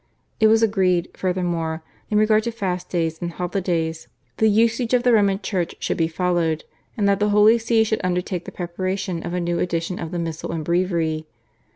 It was agreed, furthermore, that in regard to fast days and holidays the usage of the Roman Church should be followed, and that the Holy See should undertake the preparation of a new edition of the missal and breviary.